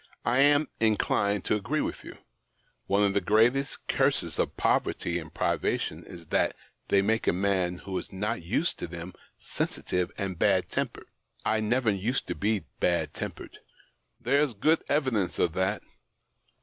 " I am in clined to agree with you : one of the greatest curses of poverty and privation is that they make a man who is not used to them sensitive and bad tempered. I never used to be bad tempered." " There's good enough evidence of that."